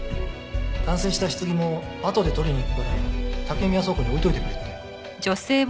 完成した棺もあとで取りに行くから竹宮倉庫に置いといてくれって。